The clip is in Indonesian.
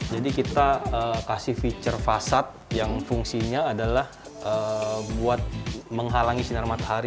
jadi kita kasih feature fasad yang fungsinya adalah buat menghalangi sinar matahari